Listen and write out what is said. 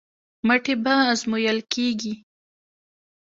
مټې به ازمویل کېږي.